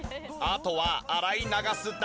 あとは洗い流すだけ！